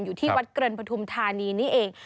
อยู่ที่วัดเกริ่นปฐุมธานีนี่เอง